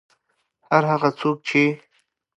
هر هغه څوک چې